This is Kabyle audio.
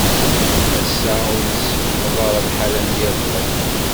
Assa ur semmeḍ ara lḥal am yiḍelli.